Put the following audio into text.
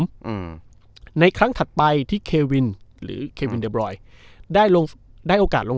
อืมในครั้งถัดไปที่เควินหรือเควินเดอร์บรอยได้ลงได้โอกาสลง